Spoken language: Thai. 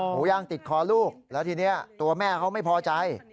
หูย่างติดคอลูกแล้วทีนี้ตัวแม่เขาไม่พอใจ